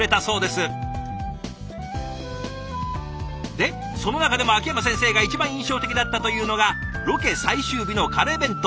でその中でも秋山先生が一番印象的だったというのがロケ最終日のカレー弁当。